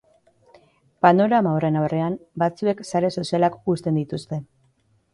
Panorama horren aurrean, batzuek sare sozialak uzten dituzte.